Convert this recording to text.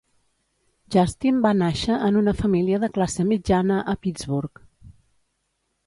Justin va nàixer en una família de classe mitjana a Pittsburgh.